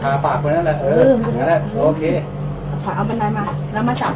ขาปากประทานล่ะเออเออโอเคเอาเงินไลน์มาแล้วมาจับไว้